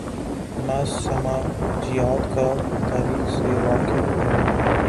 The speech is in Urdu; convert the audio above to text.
نہ سماجیات کا" تاریخ سے واقف ہیں۔